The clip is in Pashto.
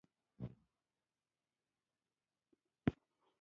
ما په خپل بخت یرغل کړی و.